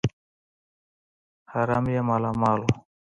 حرم یې مالامال وو.